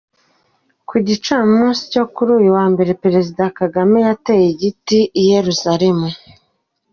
Ku Gicamunsi cyo kuri uyu wa mbere, Perezida Kagame yateye igiti i Yeruzalemu.